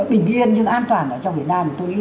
bình yên nhưng an toàn ở trong việt nam tôi nghĩ